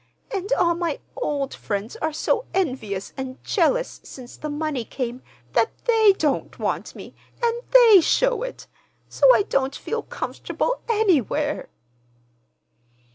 And all my old friends are so envious and jealous since the money came that they don't want me, and they show it; so I don't feel comfortable anywhere."